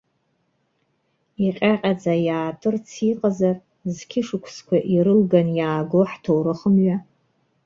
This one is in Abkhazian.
Иҟьаҟьаӡа иаатырц иҟазар, зқьышықәсақәа ирылган иаагоу ҳҭоурых мҩа!